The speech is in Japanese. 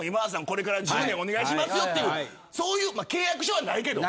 これから１０年お願いしますよっていうそういう契約書はないけど。